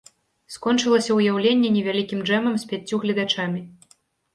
Скончылася ўяўленне невялікім джэмам з пяццю гледачамі.